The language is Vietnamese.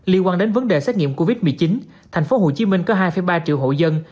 liên quan đến vấn đề xét nghiệm covid một mươi chín tp hcm có hai ba triệu hộ dân